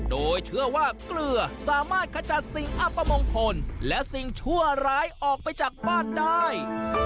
โดยเชื่อว่าเกลือสามารถขจัดสิ่งอัปมงคลและสิ่งชั่วร้ายออกไปจากบ้านได้